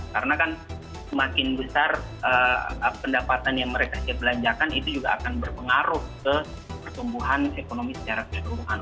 karena kan semakin besar pendapatan yang mereka belanjakan itu juga akan berpengaruh ke pertumbuhan ekonomi secara keseluruhan